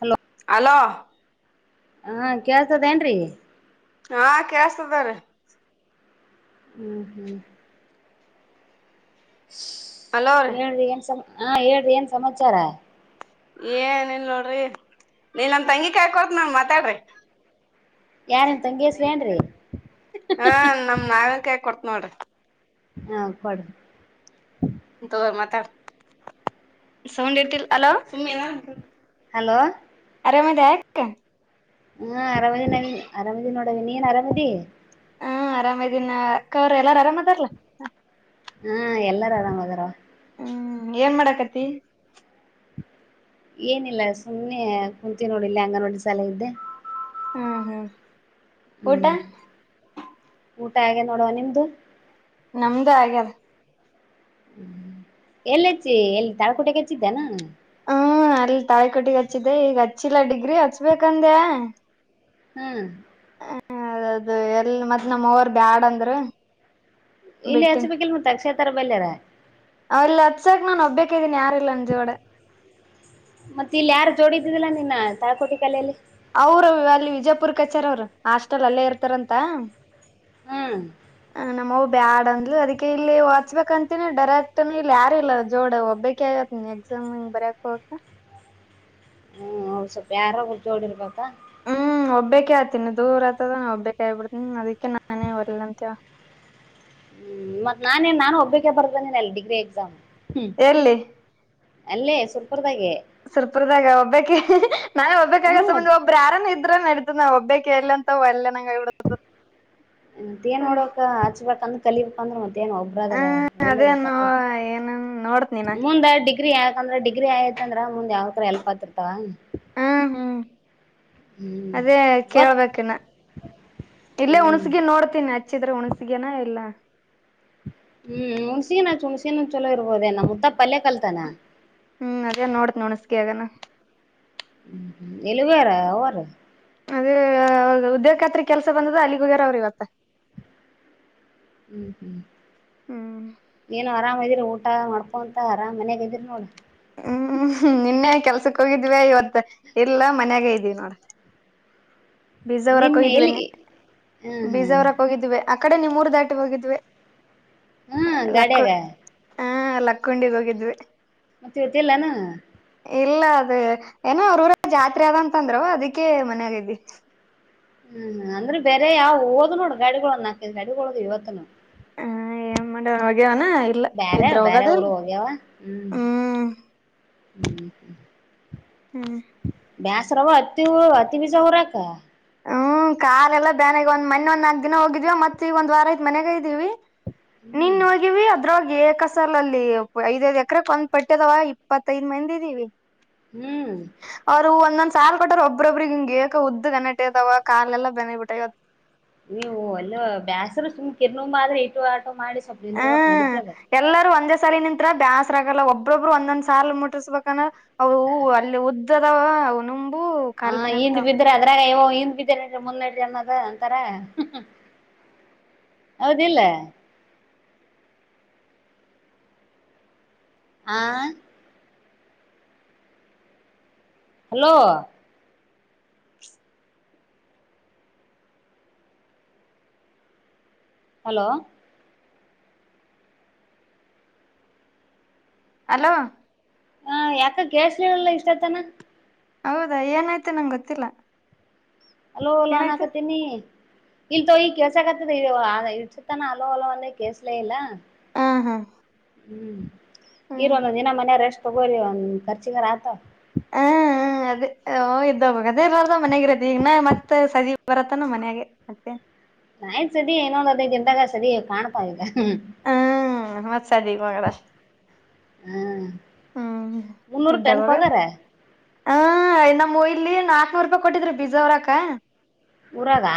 Hello hello ಹಾ ಕೇಳ್ತದೇಏನ್್ರೀ. ಹಾ ಕೇಳಿಸ್ತಿದ್ದಾರಿ. ಹ್ಮ್ ಹ್ಮ್. ಅಲೋ ರೀ ಹೇಳ್ರಿ ಏನ್ ಸಮಾಚಾರ. ಹಾ ಹೇಳ್ರಿ ಏನ್ ಸಮಾಚಾರ. ಏನನ್ ನೋಡ್ರಿ ನೀನ್ ನನ್ ತಂಗಿ ಕೈ ಕೊಡ್ತೀನಿ ಮಾತಾಡಿ. ಯಾರ್ ನಿಮ್ ತಂಗಿ ಹೆಸ್ರ ಏನ್ರೀ ಹ ನಮ್ ನಾಗ ಕೈ. ಕೊಟ್ಟು ನೋಡ್ರಿ. ಹಾ ಕೊಡು. ತೊಗೋರಿ ಮಾತಾಡ. ಸೌಂಡ್ ಇಟ ಹಲೋ. ಸುಮ್ಮಿ ಇ ಅಮ್ಮ ಹಲೋ ಆರಾಮ್. ಚಕ್ ಹಾ ಅರಾಮದಿ ನಾವ ಅರಾಮದಿ ನೋಡವ ನೀನ್ ಅರಾಮದಿ ಹಾ ಆರಾಮ ಇದೀನ್ ಕವ್ರ ಎಲ್ಲಾರು ಆರಾಮ್ ಅದಾರಲ್ಲ ಹಾ ಎಲ್ಲಾರ ಆರಾಮ್ದಾರ ಅವ್ವ ಹ್ಮ್ ಏನ್ ಮಾಡಾಕತಿ ಏನಿಲ್ಲ ಸುಮ್ಮ್ನೆ ಕುಂತೀವಿ ನೋಡಿಲ್ಲಿ ಅಂಗನವಾಡಿ ಶಾಲೆ ಇದೇ ಹ್ಮ್ ಹ್ಮ್ ಊಟ ಹ್ಮ್ ಹಾಗಗೆ ನೋಡುವ ನಿಮ್ದು ನಮ್ದು ಆಗ್ಯದ ಹ್ಮ ಎಲ್ಲ ಹೆಚ್ಚಿ ಎಲ್ಲಿ ತಳಕೋಟೆಗೆಚ್ಚಿದ್ದೇನ ಹ್ಮ್ ಅಲ್ಲಿ ತಾಯಿ ಕೊಟ್ಟಿಗೆ ಹಚ್ಚಿದ್ದೆ ಈಗ ಹಚ್ಚಿಲ್ಲ ಡಿಗ್ರಿ ಹಚ್ಬೇಕಂದೆ ಹ್ಮ್ ಹ ಅದದು ಎಲ್ ಮತ್ ನಮ್ಮ ಅವರ್ ಬ್ಯಾಡ ಅಂದ್ರ ಇಲ್ಲಿ ಯಚ ಬಲ್ ಮತ್ತ ಅಕ್ಷೇತ್ರರ ಲ್ಲರ ಅವಲ್ಲ ಹತ್ಕ್ ನಾನು ಒಬ್ಬಕ್ ಇದ್ದೀನಿ ಯಾರಿಲ್ಲ ನ ಜೋಡೆ ಮತ್ತೆ ಇಲ್ಲಿ ಯಾರು ಜೋಡಿದಿದಿಲ್ಲಾ ನಿನ್ನ ತಾಕೋಟಿ ಕಲೆಯಲ್ಲಿ ಅವರು ಅಲ್ಲಿ ವಿಜಯಪುರ್ ಕಚಾರ ಅವರು ಹಾಸ್ಟೆಲ್ ಅಲ್ಲೇ ಇರ್ತಾರಂತ ಹ್ಮ್ ಹ ನಮ್ಮ ಬ್ಯಾಡ್ ಅಂದ್ಲು ಅದಕ್ಕೆ ಇಲ್ಲಿ ಒಡ್ಸಬೇಕಂತ ಡೈರೆಕ್ಟ್ ಇಲ್ಲಿ ಯಾರಿಲ್ಲ ಜೋಡ ಒಬ್ಬಕ ಆಗತ್ ನೀ ಎಕ್ಸಾಮ್ ಹಿಂಗ ಬರಯಕ್ ಹ್ಮ್ ಅವ್ ಸ್ವಲ್ಪ ಯಾರುರು ಜೋಡಿರ್ಬೇಕಾ ಹ್ಮ ಒಬ್ಬೆ ಆತೀನಿ ದೂರ ಆತದ ಒಬ್ಬಕ ಆಗ್ಬಿಡ್ತೀನಿ ಅದಿಕ್ಕೆ ನಾನೇ ಹೊರ್ಲ್ಲಂತ ಹ್ಮ್ ಮತ್ ನಾನನ್ ನಾನು ಒಬ್ಬೆ ಬರ್ದ ನೀನಲ್ಲ ಡಿಗ್ರಿ ಎಕ್ಸಾಮ್ ಹ್ಮ್ ಎಲ್ಲಿ ಅಲ್ಲೇ ಸ್ವಲ್ಪ ಸವಲ್ಪರ್ದಾಗ ಒಬ್ಬಕ ನಾನೇ ಒಬ್ಬಾಗ ಹ್ಮ್ ಸಂಬಂ ಒಬ್ಬರು ಯಾರಾನ ಇದ್ದ ಡ್ ಒಬ್ಬೇ ಕೇರ್ಲ ಅಂತ ಅಲ್ಲ ನಗೆ ದ ಏನ್ ಹ್ಮ್ ಮಾಡೋಡ್ಬೇಕಕ್ಕ ಹಚ್ಬೇಕಂತ ಕಲಿಪ್ಪಂದ ನ ಒಬ್ರಾದ್ರ ಅದೇ ನೋ ಹಲೇಬೇಕತ ಏನ ನೋಡ್ತನಿ ನಾ ಮುಂದಡ್ ಡಿಗ್ರಿ ಯಾಕಂದ್ರೆ ಡಿ್ರಿ ಆಯತಂದ್ರ ಮುಂದ ಯಾವಕರ ಎಲ್ಪ್ ಆತಿರ್ತವ ಹ್ಮ್ ಹ್ಮ್ ಹ್ಮ್ ಅದೇ ಗೊತ್ ಕೇಳ್ಬೇಕನಾ ಇಲ್ಲೇ ಹ್ಮ್ ಹುಣ್ಸಗ ನೋಡ್ತೀನಿ ಹಚ್ಚಿದ್ರ ಹುಣಸಗನ ಇಲ್ಲ ಹ್ಮ್ ಹುಣ್ಸಿನು ಹುಣಸಿನ ಚಲೋ ಇರ್ಬೋದೇ ನಮ್ಮ ಮುದ್ದ ಪಲ್ಯೆ ಕಲ್ತಾನ ಹ್ಮ್ ಅದ ನೋಡತ್ ನುಣಸಗೆಯಗನ ಹ್ಮ ಹ್ಮ ಎಲ್ಲಿವರ ಅವ ಅವ ಅದೇ ಉದ್ಯೋಗ ಖಾತ್ರಿ ಕೆಲ್ಸ ಬಂದದ ಅಲ್ಲಿಗುಗರ ಅವ್ರ ಇವತ್ತ ಹ್ಮ್ ಹ್ಮ್ ಹ್ಮ್ ಏನೋ ಆರಾಮ್್ದ್ರೆ ಟ್ಟ ಊಟ ಮಾಡ್ಕೊ ಅಂತ ಆರಾಮ್ ಮನ್ಯಾಗ ಇದಿದ್ರರಿ ನೋಡಿ ಸಕ್ ಹೋಗಿದ್ವಿ ಇವತ್ತು ಇಲ್ಲ ಮನ್ಯಾಗ ಇದೀವಿ ನೋಡ ಬೀಜಾವರಕ್ಕೆ ನಿನ್ನೆ ಹೋಗಿದ್ದೀವಿ ಎಲ್ಲಿಗೆ ಹ್ಮ್ ಹ್ಮ್ ಬೀಜಾವರ ಹೋಗಿದ್ದೀವೆ ಆ ಕಡೆ ನಿಮ್ಮೂರ್ ದಾಟಿ ಹೋಗಿದ್ವಿ ಹಾ ಲಕ್ಕ ಗಾಡ್ಯಾಗ ಹಾ ಲಕ್ಕೊಂಡಿಗ್ ಹೋಗಿದ್ವಿ ಮತ್ತೆ ಜೊತ್ತಲ್ಲನಾ [unintelligible] ಇಲ್ಲ ಅದ- ಏನೋ ಅವ್ರ ಊರ ಜಾತ್ರೆ ಅದಂತಂದ್ರು ಅದಕ್ಕೆ ಮನೆ ಗಿದಿ ಹ್ಮ್ ಅಂದ್ರೆ ಬೇರೆ ಯಾವ ಓದ್ ನೋಡ್ರ [unintelligible] ಗಡಿಗಳ ಹಾಕ ಗಡಿಗಳದು ಇವತ್ನು ಹ ಏನ್ ಮಾಡ ಹಾಗ ಅ ಇಲ್ಲ ಬ್ಯಾರೆ ಇದ್ರೆ ಬ್ಯಾರೆ ಹೋಗದಲ್ ಊರು ಹೋಗ್ಯಾವ ಹ್ಮ್ ಹ್ಮ್ ಹ್ಮ್ [unintelligible] ಹ್ಮ್ ಬ್ಯಾಸ್ರವ ಅತ್ತಿ ಉ ಅತಿ ಬಿಸ ಹೊರಾಕ ಹ್ಮ್ ಕಾರ್ ಎಲ್ಲ ಬ್ಯಾನಾಗ ಒಂದ್ ಮನೆೆ ಒಂದ ನಾಕ್ ದಿನ ಹೋಗಿದಿವವ ಮತ್ತತ್ ಈಗ ಒಂದ್ ವಾರ ಐ್ ಮನ್ಾಗ ಇದೀವಿ [unintelligible] ಹ್ಮ್ ಅ್ರ ಏ ಕಸಾಲ ಅಲ್ಲಿ ಐದೈಐ್ ಎಕರೆಕ್ ಒಂದ್ ಪಟ್ಟದವ ಇಪ್ಪತ್ತೈದ್ ಮಂದ ಇದೀವಿ [unintelligible] ಹ್ಮ್ ಅವ್ರು ಒಂದೊಂದ್ ಸಾಲ್ ಕೊಟ್ ಒಬ್ಬೊಬ್ರಿಗೆ ಹಿಂಗೆೇಕ ಉದ್ ಕನೆಕ್ಟ್ ಇದಾವ ಕಾಲೆಲ್ಲ ಬೆನಿಬಿಟ್ಟ ಇವತ್ ನೀವು ಎಲ್ಲ ಬೇಾಸರು ಸುಮ್ ಕಿರ್ನ ಆದ್ರೆ ಇಟ್ಟು ಆ [unintelligible] ಮಾಡಿ ಸ್ವಲ್ಪ ತಿಂದ್ರ್ ನಡೀತಾದ ಹತ್ರ ಬ್ಯಾಸ್ರ ಆಗಲ್ಲ ಒಬ್ಬೊಬ್ಬರು ಒಂದೊಂದ್ ಸಾರ್ಲ್ ಮುಟ್ಟರ್ಸ್ಬೇಕಂದ್ರ ಅವದು ಹೂವು ಅಲ್ಲಿ ಉದ್ದ ಾವ ಅವ ಹಾ ಹಿಂದ್ ಬಿದ್ರೆ ಅದ್ರಾಗ ನಿಿಂದ ಬಿದ್ದ ಮುಂದಟಿ ಅನ್ನದ ಅಂತಾರ ಹೌದಿಲ್ಲ ಆ ಹಲೋ ಹಲೋ ಅಲೋ ಹ ಯಾಕ ಕೇಳ್ಸಲಿಲ್ಲ ಇಷ್ಟತನ ಹೌದಾ ಏನಾಯ್ತ ನಂಗೆ ಗೊತ್ತಿಲ್ಲ ಅಲೋಲಾಾನಕ ಏನಾಯ್ತು ತಿನ ಇಲ್ತೋ ಈ ಕೇಸಕತ್ತದ ಇಸತನ ಅಲೋ ಹೊಲೋ ಅಂದ ಕೇಸಲೇ ಇಲ್ಲ ಹ ಹಾ ಹ್ಮ್ ಇರುವ ಹ್ಮ್ ಒಂದಂದು ದಿನ ಮನೆಯಷ್ಟ ಬರಿ ಕರ್ಚಗರತ ಹ್ಮ್ ಅದೇ ಇದ್ದ ಅದೇ ಬಾರ್ದ ಮನ್ಯಾಗ ಇರತ್ತತಿ ಈಗ ನ ಮತ್ತತ್ ಸದ ಬರತ್ತಾನ ಮನ್ಯಾಗೆ ಮತ್ತೆ ನಯನ್ ಸರಿ ಇನ್ನೊಂದು ಅದ ತಿಂತಾಗ ಸರಿ ಕಾಣಪಾಗ ಹ್ಮ್ ಮತ್ಸದ ಮಡ ಹ್ಮ್ ಮುನ್ನೂರು ಟನ್ ಇದ್ದವಾಗ ಪಗಾರ ಹ ಇಲ್ಲ ನಮ್ಮ್ ಇಲ್ಲಿ ನಾಕಕ್ನೂರು ರೂಪಾಯಿ ಕೊಟ್ಟಿದ್ರ ಬೀಜಾ ಹೋರಾಕ. ಊರಾಗ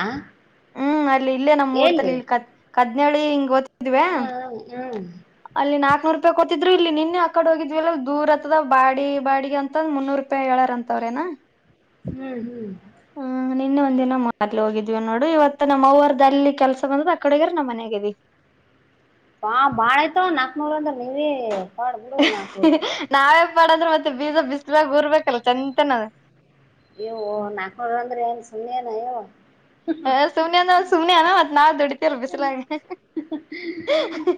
ಹ್ಮ್ ಅಲ್ಲಿ ಇಲ್ಲೇ ನಮ್ಮುರ್ ತಲೆ ಎಲ್ಲಿ ಇಲ್ಕ ಕದ್ನೇಳಿ ಹಿಂಗೊತ್ ತೀವ ಹ್ಮ್ ಹ್ಮ್ ಅಲ್ಲಿ ನಾ ನೂರ್ ರೂಪಾಯಿ ಕೊತ್ತಿದ್ರು ಇಲ್ಲಿ ನಿನ್ನೆ ಆ ಕಡೆ ಹೊಗಿದ್ ದೂರ್ ಅತ್ತದ ಬಾಡಿ ಬಾಡಿಗೆ ಅಂತಂದ್ ಮುನ್ನೂರು ರೂಪಾಯಿ ಏಳಾರ ಅಂತವ್ರೇನ. ಹ್ಮ್-ಹ್ಮ್ ಹ್ಮ ನಿನ್ನೆ ಒಂದಿನ ಮರ್ಲಿ ಹೋಗಿದ್ವಿ ನೋಡು ಇವತ್ತ ನಮ್ಮ್ ಅವರ್ದಲ್ಲಿ ಕೆಲ್ಸ ಬಂದದ ಆ ಕಡೆಗಾರ ನಮ್ಮ್ ಮನ್ಯಗದವಿ. ಹಾ ಬಾಳ ಆಯ್ತವ ನಾಕ್ನೂರ್ ಅಂದ್ರ ನೀವೆ ಅಹ್ ಹಿ ಹಿ ನಾವೇ ಮಾಡದ್ರೆ ಮತ್ತೆ ಬೀಜ ಬಿಸ್ಲಾಗ ಉರ್ಬೇಕಲ್ಲ ಚಂತನ. ಏ ಓ ನಾಕ್ನೂರ್ ಅಂದ್ರೆ ಏನ್ ಸುಮ್ಮನ ಏನ ಯಾವ್ವೋ. ಹ ಸುಮ್ನೇನ ಸುಮ್ನೆ ಅಲ ಮತ್ ನಾವ್ ದುಡಿ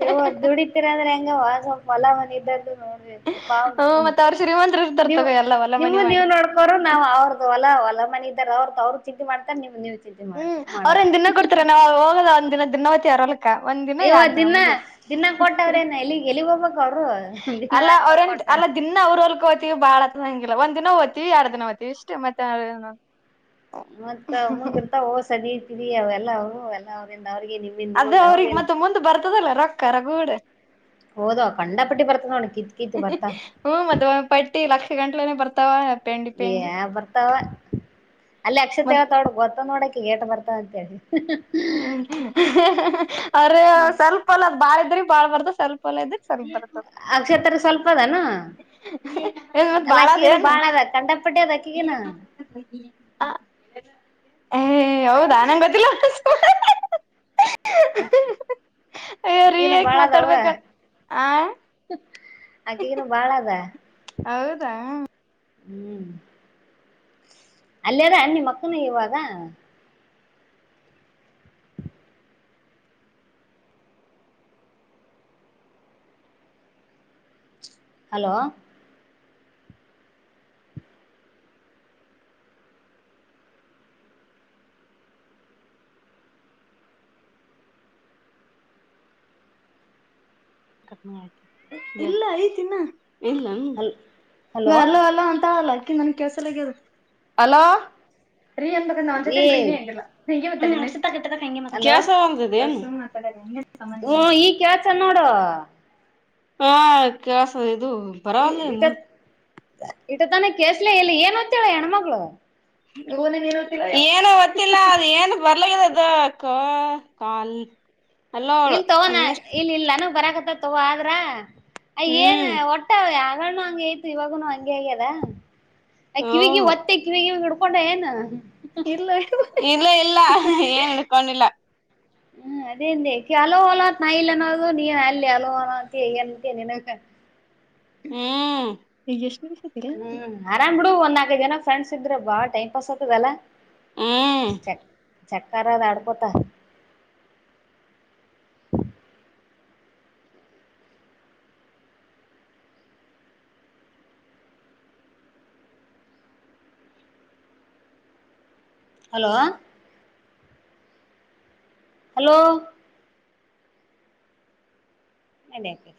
ಯವ್ವ ದುಡತಿರ ಅಂದ್ರೆ ಹೆಂಗವ್ವ ಸ್ವಲ್ಪ ಹೊಲ ಮನಿ [unintelligible] ನೋಡ್ಬೇಕ್ ಪಾ ಹ್ಮ ಮತ್ ಅವ್ರ ಶ್ರೀಮಂತರು ಇರ್ತಾರ ನೀವು ತಗೋ ಎಲ್ಲ ಹೊಲ ಮನಿ ನಿಮ್ಮ ನೀವ ಮಾಡಿ ನೋಡ್ಕೋರು ನಾವ್ ಅವ್ರ್ದ ಹೊಲ ಹೊಲ ಮನಿ ಇದಾರ ಅವ್ರ್ದ ಅವ್ರ್ ಮಾಡ್ತಾರೆ ನೀವು ನೀ ಹ್ಮ್ ಅವ್ರ ಒಂದ ದಿನ ಕೊಡ್ತಾರ ನಾವ್ ಹೋಗಲ್ಲ ಒಂದ್ಿನ ದನ್ನ ಚಾರರ ಇವ ದಿನ ದಿನಾ ಕೊಟ್ಟವ್ರೇನ ಎಲ್ಲಿಗ್ ಎಲ್ಲಿಗ್ ಹೋಗ್ಬೇಕ ಅವರು ಅಲ್ಲ ಅವ್ರ ಅಲ್ಲ ದಿನ ಅವ್ರ ಹೊಲ್ಕೋತೀವಿ ಬಾಳತ್ ಇಲ್ಲ ಒಂದ್ ದಿನ ಓ್ತೀವಿ ಎರಡ್ ದಿನ ಓ್ತೀವಿ ಇಷ್ಟೇ ಮತ್ತೆಡು ಮತ್ತ ಮುಂದಿರ್ತ ಹೋಸದ ಇಯ ಎಲ್ಲವು ಎಲ್ಲ ಅವ್ರಿಗೆ ನಿಮ್ಮಿಂದ ಅದ ನಿಮಗ್ ಅವ್ರಿಗೆ ಹೌದಿಲ್ಲ ಮತ್ತೆ ಮುಂದ್ ಬರ್ತದಲ್ಲ ರೊಕ್ಕರ ಗೂಡೆ ಹಓದ ಕಂಡಾಪಟ್ಟಿ ಬರ್ತ ನೋಣ ಕಿತ್ ಕಿತ್ ಬರ್ತ ಗಂಟ್ಲನೆ ಬರ್ತಾವ ಪೆಂಡಿ ಏ ಪೆಂಡಿ ಬರ್ತಾವ ಅಲ್ಲಿ ಅಕ್ಷ ಮ ತೇಳ್ತಾವಡು ಗೊತ್ತ ನೋಡಕ ಗೇಟ ಬರ್ತಾ ಅಂತ ಹೇಳಿ ಹ್ಮ್ ಅವ್ರ ಸ್ವಲ್ಪಲ್ಲ ಬಾಳಿದ್ರಿ ಬಾಳ್ಾರದು ಸ್ವಲ್ಪ ಒಲ್ಲ ಇದ ಸರಿ ಅಕ್ಷತ್ರ ಸ್ವಲ್ಪ ಅದನು ಅಲ್ಲ ಬಳ ಅಕ್ಕಿಗಿನ ದನು ಬಾಳ ಅದ ಕಂಡಾಪಟ್ಟಿ ಅದ ಅಕ್ಕಿಗಿನ ಏ್ ಹೌದ ಆ ನಂಗ್ ಗೊತ್ತಿಲ್ಲ ಅಯ್ಯೋ ರೀ ಅಕ್ಕೀನು ಯಾಕ್ ಬಾಳದ ಅವವ ಮಾತಾಡ್ಬೇಕ ಆ ಆಕೀನು ಬಾಳ ಅದ ಹೌದಾ ಹ್ಮ್ ಅಲ್ಲಾರ ಅ್ಣಿ ಮಕ್ಕನು ಇವಾಗ ಹಲೋ ಆಯ್ತ ಇಲ್ಲ ಐ ತಿ ಇನ್ನ ಇಲ್ಲ ಈಗ ಹಲ್ ಹಲೋ ಅಲ್ಲ ಅಲ್ಲ ಅಂತ ಅಲ್ಲ ನನ್ ಕೆಸಲದು ಅಲಾ ೀನ್ ಏ ್ರೀನಲ್ಲ ಹ ಟ್ಟ ಕಸ ಒ ಹ್ಮ್ ಹ ಈ ಕಳ್ತ ನೋಡುವ ಹಾ ಕಸ ಇ ಇಟ್ಟ ಇಟ ತಾನೆ ಕಸಲ ಎಲ್ಲಿ ಏನು ಹೊತ್ತಾಳ ಹೆಣ್ಣ್ಮಗಳು ಹನೆ ನೀರು ಏನು ಒೊತ್ತಿಲ್ಲ ಅದು ಏನ್ ಬರ್ಲಕ್ಕ ಅದ ಕ ಕನ್ ಇಲ್ ತಗೋಣ ಇಲ್ ಇಲ್ಲಾನ ಬರಕತ್ತ ತಗೋ ಆದ್ರ ಅಯ ಏನ್ ಒಟ್ಟ ಯ ಹ ಹಂಗ ಆಯ್ತು ಇವಾಗನು ಹಂಗೆ ಆಗ್ಯದ ಹ್ಮ್ ಕಿವಿಗೆ ಒತ್ತೆ ಕಿವಿಗೆ ಕೊಂಡ ಏನು ಇಲ್ಲ ಇ ಇಲ್ಲ ಇಲ್ಲ ಏನ್ ಇ ಕೊಂಡಿಲ್ಲ ಹ್ಮ್ ಅದೇಂದ ಹಲೋಲತ್ ನಾ ಇಲ್ಲ ಅನ್ನೋದು ನೀ ಅಲ್ಲಿ ಹಲೋಲ ಎಂತ ನಿನಗ ಹಾ ಹಗಷ್ಟ ಹ್ಮ್ ಆರಾಮ ಬಿಡು ಒ ನಾಲ್ಕೈದು ದಿನ ಟೈಂ ಇದ್ರ ಬಾ ಟೈಂ ಪಾಸ್ ಆತದಲ್ಲ ಸರಿ ಚಕ್ಕರ ಅದ ಆಡ್ಕೋತ ಹಲೋ ಹಲೋ ಅಲ್ಲಕೆ